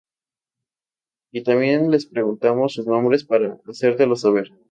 Y también les preguntamos sus nombres para hacértelo saber.